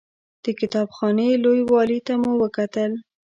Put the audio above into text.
د کتاب خانې لوی والي ته مو وکتل.